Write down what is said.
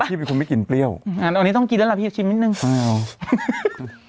พี่เป็นคนไม่กินเปรี้ยวอ่าอันนี้ต้องกินแล้วล่ะพี่ชิมนิดหนึ่งไม่เอา